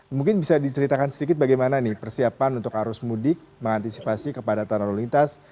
mungkin bisa diceritakan sedikit bagaimana persiapan untuk arus mudik mengantisipasi kepada tanah lulintas